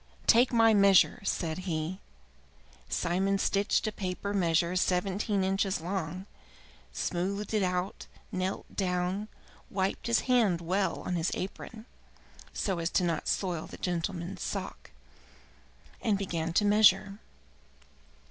"Take my measure!" said he. Simon stitched a paper measure seventeen inches long, smoothed it out, knelt down, wiped his hand well on his apron so as not to soil the gentleman's sock, and began to measure.